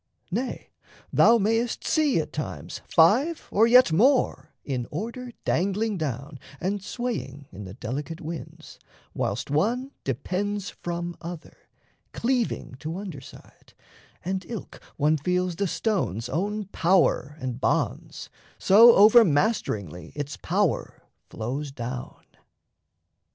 Nay, thou mayest see at times Five or yet more in order dangling down And swaying in the delicate winds, whilst one Depends from other, cleaving to under side, And ilk one feels the stone's own power and bonds So over masteringly its power flows down.